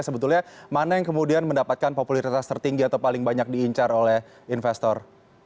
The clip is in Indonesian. sebetulnya mana yang kemudian mendapatkan popularitas tertinggi atau paling banyak diincar oleh investor